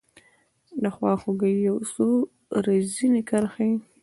دخوا خوګۍ یو څو رزیني کرښې